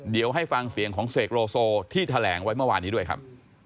เดี๋ยวให้ฟังเสียงของเสกโลโซที่แถลงไว้เมื่อวานนี้ด้วยครับ